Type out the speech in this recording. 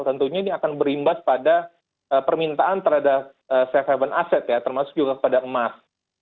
tentunya ini akan berimbas pada permintaan terhadap safe haven asset ya termasuk juga pada emas